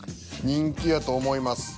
人気やと思います。